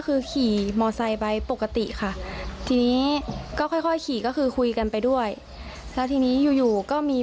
แล้วขับมอเซ้าหนีเลยหรือยังไง